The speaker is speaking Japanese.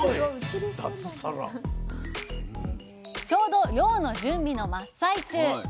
ちょうど漁の準備の真っ最中。